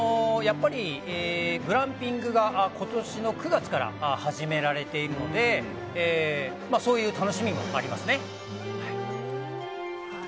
グランピングが今年９月から始められているのでそういう楽しみもあります。